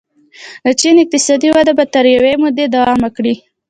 د چین اقتصادي وده به تر یوې مودې دوام وکړي.